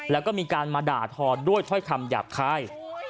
แล้วก็มีการมาด่าทอด้วยถ้อยคำหยาบคาย